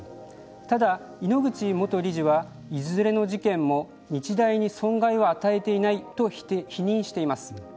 ただ、井ノ口元理事はいずれの事件も日大に損害は与えていないと否認しています。